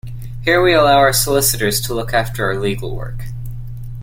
Here we allow our solicitors to look after our legal work.